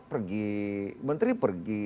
pergi menteri pergi